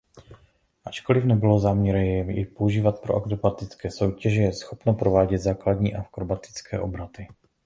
Ačkoliv nebylo záměrem jej používat pro akrobatické soutěže je schopno provádět základní akrobatické obraty.